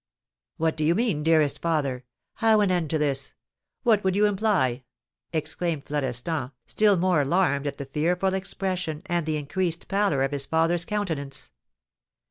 "What do you mean, dearest father? How an end to this? What would you imply?" exclaimed Florestan, still more alarmed at the fearful expression and the increased pallor of his father's countenance.